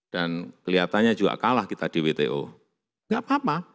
kelihatannya juga kalah kita di wto nggak apa apa